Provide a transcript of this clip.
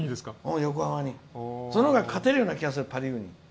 そのほうが勝てるような気がするパ・リーグに。